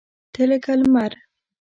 تۀ لکه لمر !